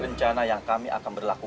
rencana yang kami akan berlaku